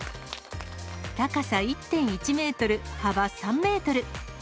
高さ１．１メートル、幅３メートル。